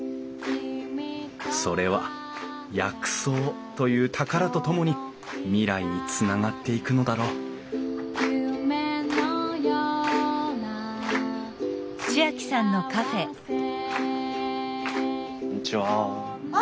それは薬草という宝と共に未来につながっていくのだろうこんにちは。